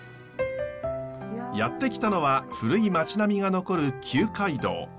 やって来たのは古い町並みが残る旧街道。